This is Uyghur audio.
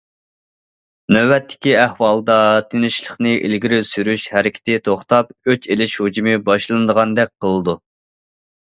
نۆۋەتتىكى ئەھۋالدا تىنچلىقنى ئىلگىرى سۈرۈش ھەرىكىتى توختاپ، ئۆچ ئېلىش ھۇجۇمى باشلىنىدىغاندەك قىلىدۇ.